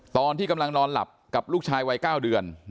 ตอนที่กำลังนอนหลับกับลูกชายวัย๙เดือน